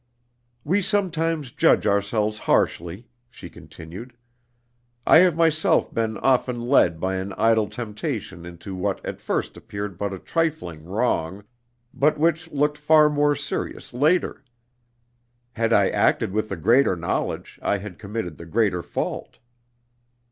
"We sometimes judge ourselves harshly," she continued. "I have myself been often led by an idle temptation into what at first appeared but a trifling wrong, but which looked far more serious later. Had I acted with the greater knowledge, I had committed the greater fault."